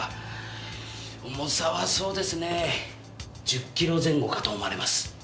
重さはそうですね１０キロ前後かと思われます。